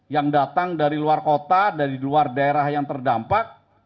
yang datang dari luar kota dari luar daerah yang terdampak